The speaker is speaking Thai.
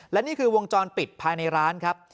และนี่คือวงจรปิดภายในร้านครับ